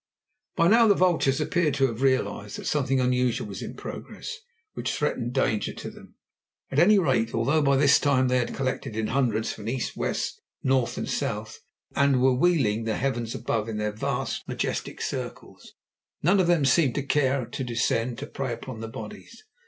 By now the vultures appeared to have realised that something unusual was in progress, which threatened danger to them. At any rate, although by this time they had collected in hundreds from east, west, north, and south, and were wheeling the heavens above in their vast, majestic circles, none of them seemed to care to descend to prey upon the bodies.